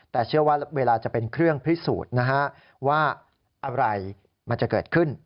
แต่เชื่อว่าเวลาจะเป็นเครื่องพิสูจน์นะฮะว่าอะไรมันจะเกิดขึ้น